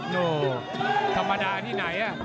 โหธรรมดาที่ไหนอ่ะ